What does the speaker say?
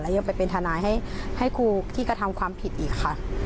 ยังไปเป็นทนายให้ครูที่กระทำความผิดอีกค่ะ